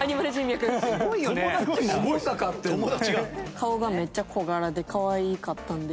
顔がめっちゃ小柄でかわいかったので。